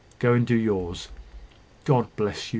Go and do yours." "God bless you!"